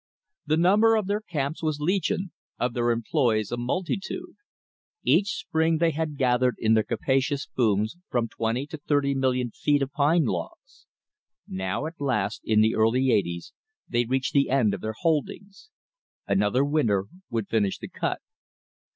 The number of their camps was legion, of their employees a multitude. Each spring they had gathered in their capacious booms from thirty to fifty million feet of pine logs. Now at last, in the early eighties, they reached the end of their holdings. Another winter would finish the cut.